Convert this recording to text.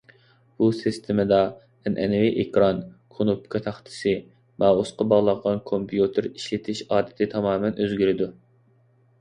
بۇ سىستېمىدا ئەنئەنىۋى ئېكران، كۇنۇپكا تاختىسى، مائۇسقا باغلانغان كومپيۇتېر ئىشلىتىش ئادىتى تامامەن ئۆزگىرىدۇ.